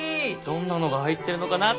どんなのが入ってるのかな？